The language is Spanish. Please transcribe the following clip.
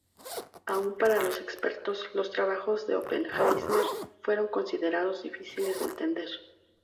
Aun para los expertos, los trabajos de Oppenheimer fueron considerados difíciles de entender.